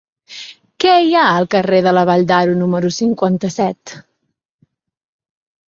Què hi ha al carrer de la Vall d'Aro número cinquanta-set?